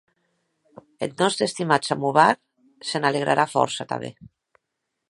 Eth nòste estimat samovar se n'alegrarà fòrça tanben.